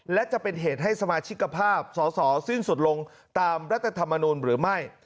และจะเป็นเหตุให้สมาชิกภาพสอสอสิ้นสุดลงตามรัฐธรรมนูลหรือไม่